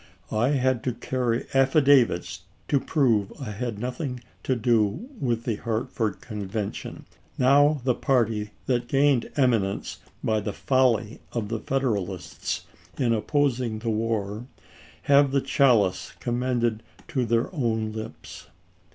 I had to carry af fidavits to prove I had nothing to do with the Hartford Convention. Now the party that gained eminence by the folly of the Federalists in opposing the war have the chalice commended to their own 388 ABRAHAM LINCOLN ch. xiii. lips.